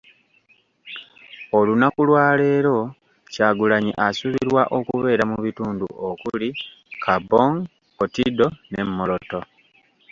Olunaku lwaleero Kyagulanyi asuubirwa okubeera mu bitundu okuli; Kaabong, Kotido ne Moroto .